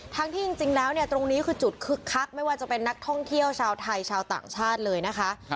ที่จริงแล้วเนี่ยตรงนี้คือจุดคึกคักไม่ว่าจะเป็นนักท่องเที่ยวชาวไทยชาวต่างชาติเลยนะคะ